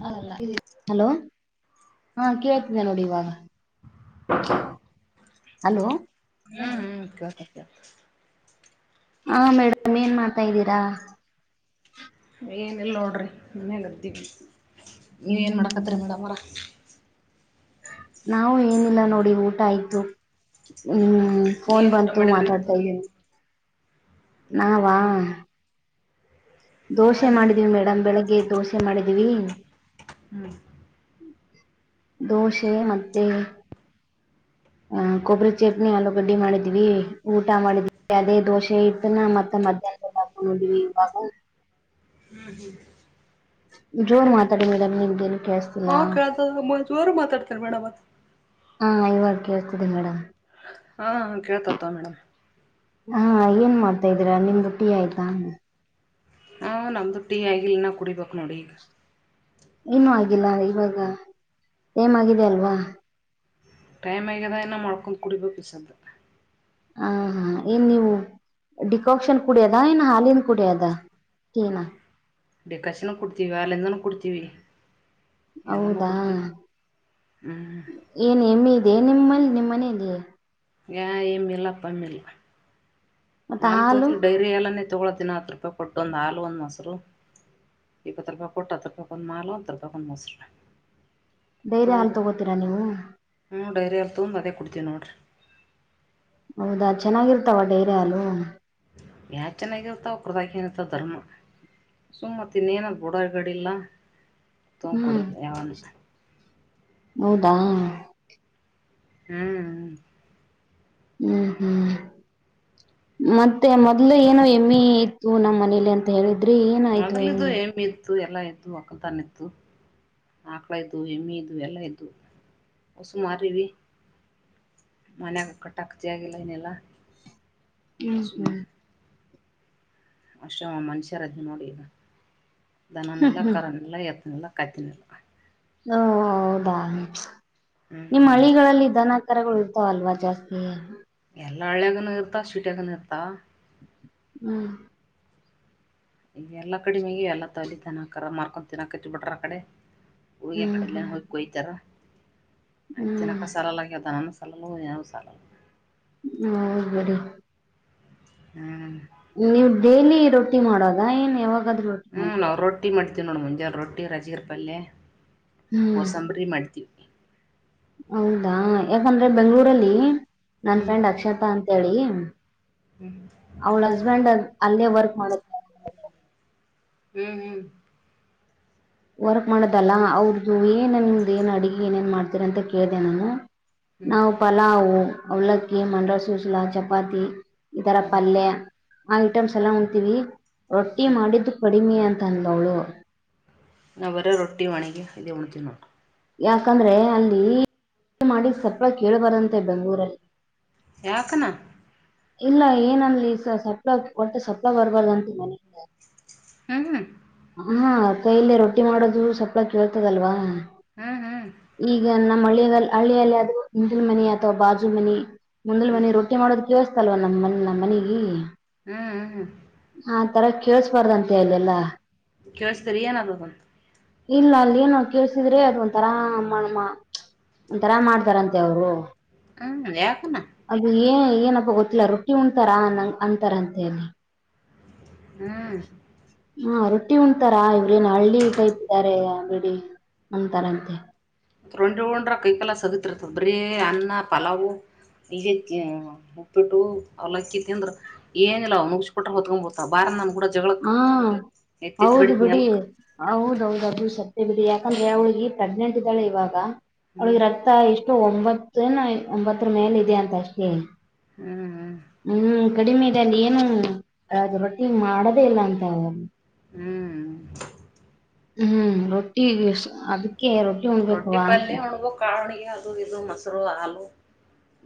ಹ ಅದಲ್ಲ ಮಗು ಹಲೋ ಎತ್ಕೊ. ಹಾ ಕೇತಿದೆೇ ನೋಡಿವಾಗ. ಹ್ಮ್ ಹ್ಮ್ ಕೇಳ್ತಾ ಕೇಳ್ತ. ಹಾ ಮೇಡಮ್ ಏನ್ ಮಾಡ್ತಾ್ದೀರಾ. ಏನಿಲ್ಲ ನೋಡ್ರಿ ಮನ್ನೆ ಗರ್ತ್ತೀವಿ ನೀವನ್ ಮಾಡಾಕತ್ತರಿ ಮೇಡಮ್ರ. ನಾವು ಏನಿಲ್ಲ ನೋಡಿ ಊಟ ಆಯ್ತು. ಹ್ಮ್ ಫೋನ್ ಏನ್ ಊಟ ಬಂತು ಮಾಡಿದ್ರಿ ಮಾತಾಡ್ತಾ ಇದೀನಿ. ನಾವಾ. ದೋಸೆ ನಾನ್ ಮಾಡಿದೀವಿ ಮೇಡಮ್ ಬೆಳಗ್ಗೆ ದೋಸೆ ಮಾಡಿದೀವಿ. ಹ್ಮ್ ದೋಷೆ ಮತ್ತೆ. ಅಹ ಕೊಬ್ಬರಿ ಚಟ್ನಿ ಆಲೂಗಡ್ಡಿ ಮಾಡಿದ್ವಿ ಊಟ ಮಾಡಿದ್ವಿ ಅದೇ ದೋಸೆ ಇಟ್ಟನ ಮತ್ತ. ಮಂತಟಾಕ ನೋಡಿವಿವಾಗ. ಹ್ಮ್ ಹ್ಮ್. ಜೋರ್ ಮಾತಾಡಿ ಮೇಡಂ್ ನಿಮಗೆೇನು. ಹಾ ಕತ್ವ ಜೋರು ಮಾತಾಡ್ತಾರೆ ಮೇಡಮ್. ಹಾ ಇವಾಗ ಕೇಳ್ತದೆ ಮೇಡಮ್. ಹಾ ಕೇಳ್ತತ್ತ ಮೇಡಮ್. ಹಾ ಏನ್ ಮಾಡ್ತಾ ಇದಿದ್ದೀರಾ ನಿಮ್ಮದು ಟಿ ಆಯ್ತಾ. ಹಾ ನಮ್ದು ಟೀ ಆಗಲ್ ನ ಕುಡಿಬೇಕಕ್ ನೋಡಿ ಈಗ. ಇನ್ನುೂ ಆಗಿಲ್ಲ ಇವಾಗ ಟೈಮ್ ಆಗಿದ ಅಲ್ವಾ. ಟೈಮ್ ಆಗ್ಯದ ಇನ್ನ ಮಾಡ್ಕೊಂಡ್ ಕುಡಿಬೇಕ ಈ ಸದ್ದ ಹ ಹಾ ಏನ್ ನೀವು ಡಿಕಾಕ್ಷನ್ ಕುಡಿಯದ ಏನ್ ಹಾಲಿನ ಕುಡ್ಯದ ಡಿಕಶನ್ ಕುಡ್ತೀವಿ ಹಾಲಿಂದನ ಕುಡ್ತೀವಿ ಎಲ್ಲಾನೂ ಹೌದಾ ಕುಡ್ತಿವಿ ಹ್ಮ್ ಏನ್ ಎಮ್ಮಿ ಇದೆ ನಿಮ್ಮ ನಿಮ್ಮ್ ಮನೇೆಯಲ್ಲಿ ಯಾ ಏಮ್ಮಿಲ್ಲ ಪಮ್ಮಿಲ್ಲಾ ಮತ್ತೆ ಹಾಲ್ ಹಾಲು ತೋತವಿ ಡೈರಿ ಹಾಲ್ಲಾನೇ ತಗೊಳ್ಳೋತ್ತಿವ ದಿನ ಹತ್ ರೂಪಾಯಿ ಕೊಟ್ಟು ಒಂದ್ ಹಾಲು ಒಂದ್ ಮೊಸರು ಇಪ್ಪತ್ತು ರೂಪಾಯ್ ಕೊಟ್ಟ ಹತ್ತು ರೂಪಾಯ್ ಕೊಂದು ಹಾಲ ಅತ್ತು ರೂಪಾಯ್ ಕೊಂದು ಮೋಸ ಡೈರಿ ಹಾಲು ತೊಂದು ತಗೋತೀರಾ ನೀವು ಹ್ಮ ಡೈರಿ ತುಂಬದೇ ಕೊಡ್ತೀವಿ ನೋಡ್ರಿ ಹೌದಾ ಚೆನ್ನಾಗಿರ್ತಾವ ಡೈರಿ ಹಾಲು ಯಾ ಚೆನ್ನಾಗಿರ್ತಾವ ಅವುಕರದಾಗ ಏನಿರ್ತಾವ ಧರ್ಮ ಸುಮ್ತ್ ಇನ್ನೇನ್ ಬುಡಗಡಿಲ್ಲ ತೊಂಡ ಹ್ಮ್ ಕೊಡಿಯದ ಯಾವನ ಹೌದಾ ಹ್ಮ್ ಹ್ಮ್ ಹ್ಮ್ ಮತ್ತೆ ಮೊದ್ಲು ಏನು ಹೆಮ್ಮಿ ಇತ್ತು ನಮ್ಮ್ ಮನೇಲಿ ಅಂತ ಹೇಳ ದ್ರಿ ಏನಾಯ್ತು ಅದರಲ್ಲಿದ್ದು ಎಮ್ಮಿ ಎಮ್ಮೆ ಇತ್ತು ಎಲ್ಲ ಇತ್ತು ಒಕ್ಕಲತನ ಇತ್ತು ಆಕ್ಳ ಇದ್ದುವ ಎಮ್ಮಿ ಇದುವ ಎಲ್ಲ ಇದ್ದುವು ಹೊಸೂ ಮಾರೀವ ಮನ್ಯಾಗ ಕಟ್ಟಾಕ್ ಜಾಗಿಲ್ಲ ಏನಿಲ್ಲ ಹ್ಮ್ ಸುಮ್ಮ ಹ್ಮ್ ಅಷ್ಟೇ ನೋಡ ಮನುಷ್ಯರದಿವ ನೋಡ ಈಗ ಹ್ಮ್ ದನನಿಲ್ಲ ಹ್ಮ್ ಕರನಿಲ್ಲ ಎತ್ತನಿಲ್ಲ ಕತ್ತಿನಿಲ್ಲ ಹ್ಮ್ ಹ್ಮ್ ಓ ಹೌದಾ ನಿಮ್ಮ್ ಹ್ಞೂ ಹಳಿಗಳಲ್ಲಿ ದನಕರಗಳು ಅಲ್ವಾ ಜಾಸ್ತಿ ಎಲ್ಲ ಹಳ್ಳ್ಯಾಗನ ಇರ್ತಾ ಸ್ವೀಟ್ಯಾಗನು ಇರ್ತಾವ ಹ್ಮ್ ಈಗ ಎಲ್ಲಾ ಕಡಿ ಮೇಲ್ಲಾ ತಲಿ ತನಕ ಮಾರ್ಕೊ ತಿನ್ನಾಕ್ತ ಬಿಟ್ರ ಆ ಕಡೆ ಹೋಗಿ ಹ್ಮ್ ಅಕಡೆಲ್ಲನ್ ಹ್ಮ್ ಹೋಗಿ ಕೋಯ್ತಾರ ಹ್ಮ್ ಆಯ್ತತಿನಕ ಸಾಲಲ್ಲಗದ ಹಣ್ಣ ಸಾಲಲ್ಲುವ ಏನು ಸಾಲಲ್ಲ ಹ್ಮ ಹೌದ ಬಿಡು ಹ್ಮ್ ನೀವ ಡೇಲಿ ರೊಟ್ಟಿ ಮಾಡೋದಾ ಏನ್ ಯಾವಾಗ ಹ್ಮ್ ನಾವ್ ರೊಟ್ಟಿ ಮಾಡ್ತೀವ್ ನೋಡ ಮುಂಜಾನ ರೊಟ್ಟಿ ರಾಜಗಿರ ಪಲ್ಲೆ ಹ್ಮ್ ಕೋಸಂಬರಿ ಮಾಡಿದಿವಿ ಹೌದಾ ಯಾಕಂದ್ರೆ ಹ್ಮ್ ಬೆಂಗ್ಳೂರಲ್ಲಿ ನನ್ ಹ್ಮ್ ಫ್ರೆಂಡ್ ಅಕ್ಷತಾ ಅಂತ ಹೇಳಿ ಹ್ಮ್ ಅವಳ ಹಸ್ಬೆಂಡ್ ಅಲ್ಲೇ ವರ್ಕ್ ಮಾಡೋದ ಹ್ಮ್ ಹ್ಮ್ ವರ್ಕ್ ಮಾಡೋದಲ್ಲ ಅವ್ರ್ದ ಏನ್ ನಿಮ್ಮದ ಏನ್ ಅಡ್ಗಿ ಏನೇನ್ ಮಾಡ್ತೀರ ಅಂತ ಕೇಳ್ದ ನಾನು ಹ್ಮ್ ನಾವು ಪಲಾವು ಅವಲಕ್ಕಿ ಮಂಡ್ಲಾ ಸೂಸಲ ಚಪಾತಿ ಈ ತರ ಹ್ಮ್ ಪಲ್ಯ ಆ ಐಟಮ್ಸ್ ಎಲ್ಲ ಹೊಂತೀವಿ ರೊಟ್ಟಿ ಮಾಡಿದ್ದು ಕಡಿಮೆ ಅಂತ ತಂದಲ್ಲವಳು ನಾವ ಬರೆ ರೊಟ್ಟಿ ಮಾಡಿವಿ‌ ಇದೆ ಊಣತಿವ್ ನೋಡು ಯಾಕಂದ್ರೆ ಅಲ್ಲಿ ಮಾಡಿ ಸಪ್ಲ ಕೇಳಬಾರದಂತೆ ಬೆಂಗ್ಗಳೂರಲ್ಲಿ ಯಾಕನ ಇಲ್ಲ ಏನನನ್ಲಿ ಸ ಸ್ವ ಒಟ್ಟ ಸ್ವಪ್ಲ ಬರ್ಬಾರದಂತ ಮನಿಗ ಹ್ಮ್ ಹ್ಮ್ ಹಾ ಕೈಲ್ಲೆ ರೊಟ್ಟಿ ಮಾಡೋದು ಸಪ್ಲ ಕೇಳ್ತದಲ್ವಾ ಹ್ಮ್ ಹ್ಮ್ ಈಗ ನಮ್ಮ್ ಹಳ್ಳಿಯ ಹಳ್ಳಿಯಲ್ಲ ಆದರು ಹಿಂದಲ ಮನಿ ಅಥವಾ ಬಾಜು ಮನಿ ಮುಂದಲು ಮನಿ ರೊಟ್ಟಿ ಮಾಡ ಅದ್ ಕೇಳ್ಸ್ತಾಯಿಲ್ವಾ ನಮ್ ನಮ್ ಮನಿಗೆ ಹ್ಮ್ ಹ್ಮ ಹ್ಮ ಕೇಳಿಸಬಾರ್ದ ಅಂತ ಏನಿಲ್ಲ ಕೇಳಿಸ್ತೀರಿ ಏನದದಂತ ಇಲ್ಲ ಅಲ್ಲ ಏನು ಕೇಳ್ಸಿದ್ರೆ ಅದ್ ಒಂತರ ಅಮ್ಮ ಅಮ್ಮ ಒಂತರ ಮಾಡ್ತಾರಂತೆ ಅವರು ಹ್ಮ್ ಯಾಕನ ಅದು ಏ ಏನಪ್ಪ ಗೊತ್ಲ್ಲ ರೊಟ್ಟಿ ಒಂತರ ಅಂತಾರ್ ಅಂತ ಹ್ಮ ಹಾ ರೊಟ್ಟಿ ಒಂತಾರಾ ಇವ್ರೇನ್ ಹಳ್ಳಿ ಟೈಪ್ ಇದ್ದಾರೆ ಅಂಗಡಿ ಅಂತಾರಂತೆ ರೊಟ್ಟಿ ಉಂಡ್ರೆ ಕೈಗಾಲ ಶಕ್ತಿ ಇರುತ್ತೆ ಬರೀ ಅನ್ನ ಪಲಾವು ಉಪ್ಪಿಟ್ಟು ಅಮಕ್ಕಿ ತಿಂದ್ರೆ ಏನಿಲ್ಲ ಅವು [unintelligible] ಕೊಟ್ರ ಹೊತ್ಕೊಂಡ್ ಬರ್ತ ಹ್ಮ ಹೌದು ಬಿಡಿ ಎಲ್ಕ್ ಹೌದೌದ ಅದು ಸತ್ಯ ಬಿಡಿ ಯಾಕಂದ್ರೆ ಅ ಹುಡುಗಿ ಪ್ರೆಗ್ನೆಂಟ್ ಇದಿದ್ದಾಳೆ ಇವಾಗ ಹ್ಞೂ ಅವಳಿಗೆ ರಕ್ತ ಇಷ್ಟು ಒಂಬತ್ತು ಒಂಬತ್ತರ್ ಮೇಲೆ ಇತ್ ಅಷ್ಟೇ ಹ್ಞೂ ಹ್ಮ್ ಕಡಿಮೆ ಇದೆ ಅಲ್ಲಿ ಏನು ರ ರೊಟ್ಟಿ ಮಾಡದೇ ಇಲ್ಲ ಅಂತ ಅವರು ಹ್ಞೂ ಹ್ಮ್ ರೊಟ್ಟಿ ಅದಿಕ್ಕೆ ರೊಟ್ಟಿ ಹ್ಞೂ ಉಣ್ಬೇಕವಾ ಪಲ್ಯ ಉಣ್ಬೇಕು ಕಾಳಿಗೆ ಅದು ಇದು ಮೊಸರು ಹಾಲು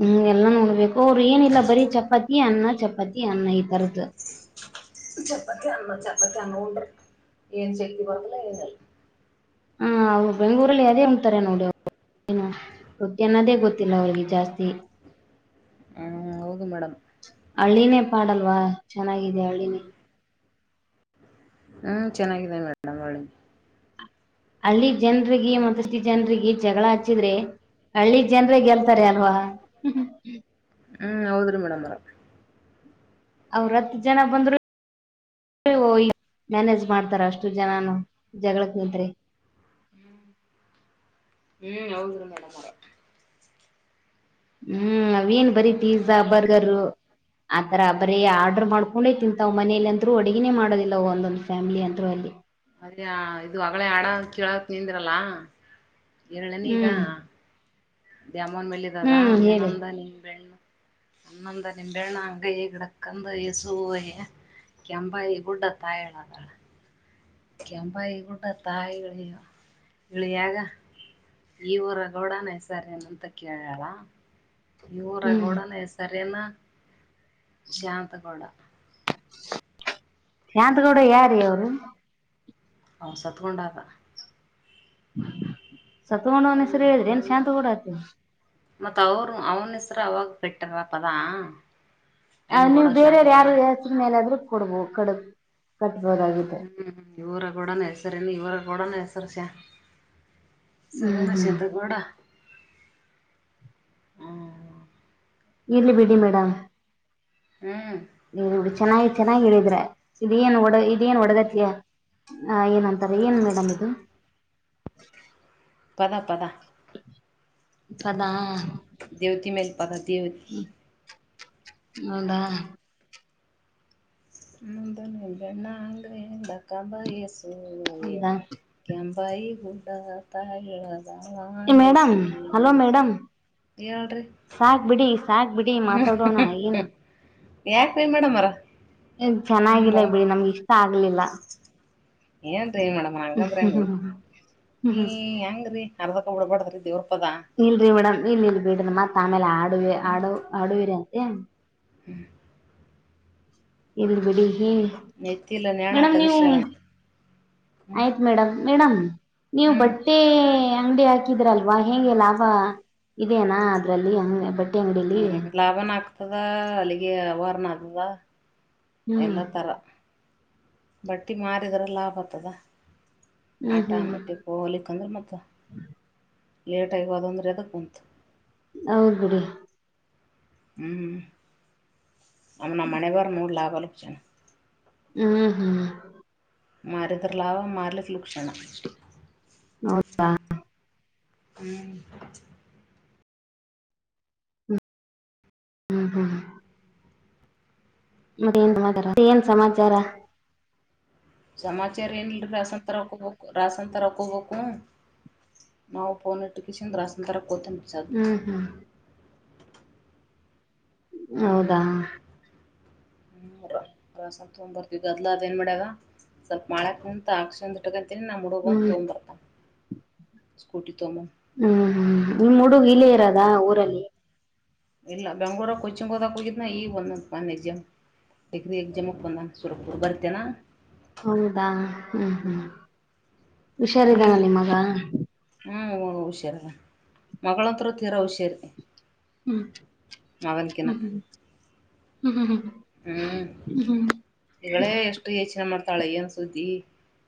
ಹ್ಮ್ ಎಲ್ಲ ಉಣ್ಬೇಕು ಉಣಬೇಕು ಅವರು ಏನಿಲ್ಲ ಬರೀ ಚಪಾತಿ ಅನ್ನ ಚಪಾತಿ ಅನ್ನ ಈ ತರದು ಚಪ್ಪತಿ ಅನ್ನ ಚಪ್ಪತಿ ಅನ್ನ ಉಂಟರು ಏನು ಶಕ್ತಿ ಬರೋದಿಲ್ಲ ಏನಲ್ಲ ಹಾ ಬೆಂಗ್ಗಳೂರಲ್ಲಿ ಅದೇ ಹ್ತಾರೆ ನೋಡು [unintelligible] ಹ್ಮ್ ರೊಟ್ಟಿ ಅನ್ನೋದೇ ಗೊತ್ತಿಲ್ಲ ಅವ್ರಿಗೆ ಜಾಸ್ತಿ ಹಾ ಹೌದು ಮೇಡಮ್ ಹಳ್ಳಿನೇ ಪಾಡಲ್ವಾ ಚೆನ್ನಾಗಿದೆ ಹಳ್ಳಿನೇ ಹ್ಮ್ ಚೆನ್ನಾಗಿದ್ದೇನೆ ಮೇಡಮ್ ಒಳಿಗೆ ಅಲ್ಲಿ ಜನ್ರಿಗೆ ಮತ್ತಷ್ಟು ಜನರಿಗೆ ಜಗಳ ಹಚ್ಚಿದ್ರೆ ಹಳ್ಳಿ ಜನ್ರೇಗೆಲ್ತಾರೆ ಅಲ್ವಾ ಹ್ಮ್ ಹೌದ್ರೀ ಮೇಡಮ್ ಅವ್ರೆ ಅವ್ರ ಹತ್ ಜನ ಬಂದ್ರು ಮ್ಯಾನೇಜ್ ಮಾಡ್ತಾರ ಅಷ್ಟ ಹತ್ತು ಜನಾನ ಜಗಳಕ್ ಬಿದ್ರೆ ಹ್ಮ್ ಹೌದ್ರ ಮೇಡಮ್ ಅವ್ರೆ ಹ್ಮ್ ಅವೆನ್ ಬರಿ ಪಿಜಾ ಬರ್ಗರು ಆತರ ಬರೀ ಆರ್ಡ್ರ ಮಾಡ್ಕೊಂಡೇ ತಿಂತಾವ್ ಮನೇಲಿ ಅಂದರು ಅಡುಗಿನೇ ಮಾಡೋದಿಲ್ಲ ಒಂದೊಂದು ಫ್ಯಾಮಿಲಿ ಅಂದ್ರು ಅಲ್ಲಿ ಹಾ ಇದು ಅಗಳೇ ಆಡ ಕಳಕ್ ನಿಂದಿರಲ್ಲ ಎರಳನಿ ಈಗ ಹ್ಮ್ ದಾಮನ್ ಮೇಲಿದದ ಹ್ಮ್ ಹೇಳಿ ಅನ್ನಂದ ನಿ ಬೆಣ್ಣು ಹನೊಂದು ನಿಂಬೆಹಣ್ಣು ಅಂಗೈ ಗಿಡಕಂದು ಸುಯೆ ಕೆಂಪಾಯಿ ಗುಡ್ಡತ್ತ ಹೇಳತ್ರ ಕೆಂಪಾಯ ಗುಡ್ಡತ್ತ ಇಳಿಯ ಇಳಿಯಾಗ ಈವರ ಗೌಡ ನ ಹೆಸಾರೆನು ಅಂತ ಕೇಳಳ ಹ್ಮ್ ಊರಗೌಡನ ಹೆಸರೆನ ಶಾಂತಗೌಡ ಯಾಂತ [unintelligible] ಯಾರ್ ರಿ ಅವನು ಅವನ್ ಸತ್ಕೊಂಡಾಗ ಸತ್ಗಣ್ಣವನ ಹೆಸರಿ ಹೇಳ್ರಿ ಏನ್ ಶಾಂತ ಗೌಡ [unintelligible] ಮತ್ತತ್ ಅವರು ಅವನ್ ಹೆಸರು ಅವಾಗ ಬಿಟ್ಟಾರ ತದಾ ಅ ನೀವು ಬೇರೆಯವ್ರ ಯಾರ ಹೆಸ್ರ ಮೇಲಾದ್ರೂ ಕೊಡ್ಬೋ ಕಡ ಕಟ್ಬೋದಾಗಿತ್ತು ಹ್ಮ್ ಇವರ ಗೊಡನ ಹೆಸರೇನು ಇವರ ಕೂಡನ ಹೆಸರು ಸ ಸರಿ ಹ್ಮ್ ಹ್ಮ್ ನಶೆತ್ ಕೋಡಾ ಹ್ಮ್ ಇರ್ಲಿ ಬಿಡಿ ಮೇಡಮ್ ಹ್ಮ್ ನೋಡಿ ಚೆನ್ನಾಗಿ ಚೆನ್ನಾಗಿ ಹೇಳಿದ್ರೆ ಇದು ಏನ್ ಓಡ ಒಡ್ದತ್ಯ ಆ ಏನ್ ಅಂತಾರೆ ಏನ್ ಮೇಡಮ್ ಇದು ಪತ ಪತ ಇಪ್ಪದಾ ಪದತಿಯ ಹೌದಾ ನ ಬಣ್ಣ ಅಂಗ್ರೆ ಹೆಕ್ಕಬ ಎಷ್ಟ ಹೌದಾ ಕೆಂಬಾಯಿ ಹೂಡ ತ ಹೇಳ ಮೇಡಮ್ ಹಲೋ [unintelligible] ಮೇಡಮ್ ಹೇಳ್ರಿ ಸಾಕ್ ಬಿಡಿ ಸಾಕ್ ಬಿಡಿ ಮಾತಾಡೋಣ ಏನ್ ಯಾಕ ರೀ ಮೇಡಮಾರ ಚೆನ್ನಾಗಿಲ್ಲ ಬಿಡಿ ನಮ್ಗೆ ಇಷ್ಟ ಆಗ್ಲಿಲ್ಲ [unintelligible] ಈ ಹ್ಮ್ ಹೆಂಗ್ರೀ ಅರ್ಧಕ ಡಬಾಡ್ದ್ರೀ ದೇವ್ರು ಇಲ್ರರಿ ಮೇಡಮ್ ಇಲ್ ಇಲ್ ಬಿಡ್ರ ಮತ್ ಆಮೇಲೆ ಆಡುವ ಆಡು ಆಡುವಿರಿ ಅಂತೆ ಹ್ಮ್ ಹೇಳಳ್ಬಡಿ ಹ ನೆತ್ತಿಲ್ಲ ನೇಣ ಮೇಡಮ್ ನೀವು ತಗಸಿಳ ಹ್ಮ್ ಆಯ್ತ್ ಮೇಡಮ್ ಮೇಡಮ್ ನೀವು ಹ್ಮ್ ಬಟ್ಟೆ ಅಂಗಡಿ ಹಾಕಿದ್ರ ಅಲ್ವಾ ಹೇಗೆ ಲಾಭ ಇದೇನಾ ಅದ್ರಲ್ಲಿ ಹಂಗ ಬಟ್ಟೆ ಅಂಗಡಲಿ ಹ್ಮ್ ಲಾಭನ ಹಗ ಎಲ್ಲ ಥರ ಬಟ್ಟಿ ಮಾರಿದ್ರ ಲಾಭ ಆತದ ಹ್ಮ್ ಆಟ ಹ್ಮ್ ಮಟ್ಟಿಕ್ಕೆಗ್ಲಿಕ್ಕೆಂದ್ರೆ ಮತ್ತು ಲೇಟಾಗಿದಂದ್ರೆ ಅದಕ್ಕೆ ಹಧ ಹೌದುಡಿ ಹ್ಮ್ ನಮ್ಮ ನ ಮನೆವರು ಮೂರು ಲಾಭಾಲ ಹಚ್ಚಣ ಹ್ಮ್ ಹ್ಮ್ ಮಾರದ್ರ ಲಾವ ಮಾರಲಫ್ಲುೂಕ್ಷಣ ಹೌದಾ ಹ್ಮ್ [unintelligible] ಮತ್ತೆನ್ ಮತ್ತ ಏನ್ ಸಮಾಚಾರ ಸಮಾಚಾರ ಏನಲ್ರಿ ರಾಸಾನ್ ತರಕೋಬೇಕು ರಾಸನ್ ತರಕ್ಕೋಬೇಕು ನಾವು ಪೋನ ಇಟ್ಟುಕ ಚಿಂದ್ರಸಂತರ ಕೂತ ನಿಪಿಸದು ಹ್ಮ್ ಹ್ಮ್ ಹೌದಾ ಹ್ಮ್ ಹ್ಮ್ ಸ್ವಲ್ ತಗೊಂಡ್ ಬರ್ತವಿ ಅದ್ಲಾ ಅದೇನ್ ಮಾಡ್ಯಾಗ ಸ್ವಲ್ಪ ಮಾಡಕ್ ಕುಂತ ಅಕ್ಷಟ ಅ ನಮ್ಮ ಹುಡುಗ ಹ್ಮ್ ಒಂದು ತಗಂಬ್ ಬರ್ತ ಸ್ಕೂಟಿ ತಗಂಬೋ ಹ್ಮ್ ಹ್ಮ್ ನಿಮ್ಮ್ ಹುಡುಗ ಇಲಿ ಇರದ ಊರಲ್ಲಿ ಇಲ್ಲ ಬೆಂಗ್ಳೂರು ಕೊಚ್ಚಿ ಕೋದ ಕುಗನ ಈ ಒಂದು ಮಾನೇಜ್ಯ ಎಗ್ರ ಎಗ್ ಜಮಕ್ ಬಂದಂಗ ಸುರ ಬರ್ತೇನಾ ಹೌದಾ ಹ್ಮ್ ಹ್ಮ್ ಹುಷಾರಿದ್ದಾನ ನೀವು ನಿಮ್ಮಗ ಹ್ಞೂ ಹ್ಞ ಹುಷಾರ ಮಗಳಂತರೂ ತೀರ ಹುಷಾರಿ ಹ್ಮ್ ಹ್ಮ್ ಮಗನಕಿನ ಹ್ಮ್ ಹ್ಮ್ ಹ್ಮ ಹ್ಮ ಹ್ಮ ಹ್ಮ್ ಈಗಳೇ ಎಷ್ಟು ಯೋಚನೆ ಮಾಡ್ತ ತಾಳೆನ್ ಸುದ್ದಿ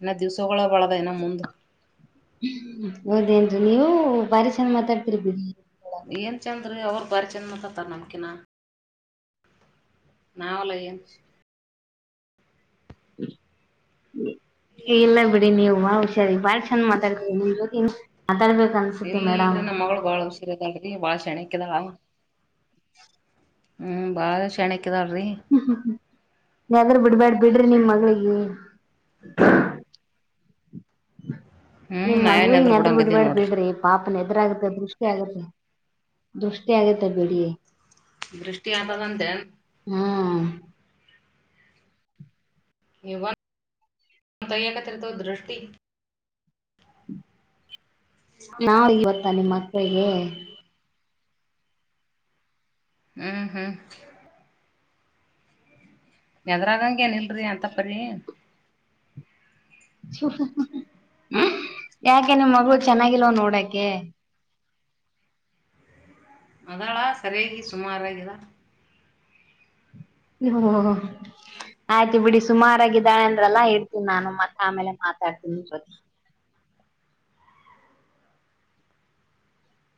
ಇನ್ನು ದಿವ್ಸಗಳ ಬಳದ ಇನ ಮುಂದ ಹೌದೇನ್ರಿ ನೀವು ಭಾರಿ ಚೆನ ಮಾತಾಡ್ತಿರ್ದ್ದೀರಿ ಏನ್ ಚಂದ್ರೀ ಅವ್ರ ಬಾರಿ ಚೆಂದ ಮಾಡತತಾರ ನಮ್ಕಿನ ನಾವಲೆಯನ್ ಇಲ್ಲ ಬಿಡಿ ನೀವು ಹುಷಾರಿ ಬಾಳ್ ಚಂದ ಮಾತಾಡ್ ನಿ ಬ ಮಾತಾಡ್ಬೇಕ ಅನ್ಸುತ್ತೆ ಇಲ್ಲ ಮೇಡಮ್ ಇಲ್ರಿ ನಮ್ ಮಗಳು ಬಾಳ ಹುಷಾರ್ ಅದಾಳ್ರಿ ಬಾಳ ಶ್ಯಾಣೇಕಿ ಅದಾಳವ [inaudible] ಹ್ಮ್ ಬಾಳ ಶ್ಯಾಣೇಕಿ ಹ್ಮಾ ನೆದರ್ ಬಿಡ್ಬ್ಯಾಡ್ ಬಿಡ್ರಿ ನಿಮ್ ಮಗಳಿಗೆ [inaudible] ಹ್ಮ್ ನಿಮ್ ನಾವೇನ್ ಮಗಳಿಗೆ ಎದರ್ ನೆದರ್ ಬಿಡಂಗದೀವ್ ಬಿಡ್ಬೇಡ್ ನೋಡ್ರಿ ಬಿಡ್ರಿ ಪಾಪ ನೆದ್ರ ಆಗುತ್ತೆ ದೃಷ್ಟ [unintelligible] ದೃಷ್ ಆಗತ್ತ ಬಿಡಿ ದೃಷ್ಟಿ ಆತದಂದೇನ್ ಹಾ ನೀವ್ ವಟ್ ತಗೆಯಕತೆರೆತ ದೃಷ್ಟಿ ನಾ ಇವತ್ತ ನಿಮ್ಮ ಮಕ್ಕಳಿಗೆ ಹ್ಮ್ ಹ್ಮ್ ನೆದರಾಂಗಗ ಏನ್ ಇಲ್ರಿ ಅಂತ ಪರಿ ಹ ಹ ಯಾಕೆ ನಿಮ್ ಮಗಳು ಚೆನ್ನಾಗಿಲ್ವ ನೋಡಕೆ. [inaudible] ಅದಾಳ ಸರಿಯಾಗಿ ಸುಮಾರಗಿದಳ್ ಹ್ಮ ಹ ಆಯ್ತು ಬಿಡಿ ಸುಮಾರಾಗಿದ್ದಾಳೆ ಅಂದ್ರಲ್ಲಾ ಇಡ್ತೀ ನಾನು ಮತ್ತ ಆಮೇಲೆ ಮಾತಾಡ್ತನೆ. ಹ್ಮ